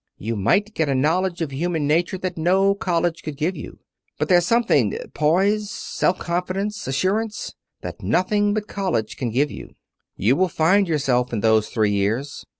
You might get a knowledge of human nature that no college could give you. But there's something poise self confidence assurance that nothing but college can give you. You will find yourself in those three years.